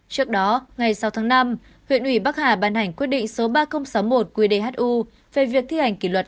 trước đó ngày sáu tháng năm huyện ủy bắc hà ban hành quyết định số ba nghìn sáu mươi một qdhu về việc thi hành kỷ luật